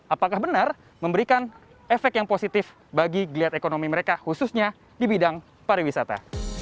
apakah benar memberikan efek yang positif bagi geliat ekonomi mereka khususnya di bidang pariwisata